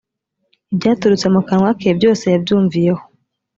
ibyaturutse mu kanwa ke byose yabyumviyeho